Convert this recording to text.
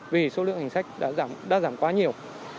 vì số lượng hành sách đã giảm quá nhiều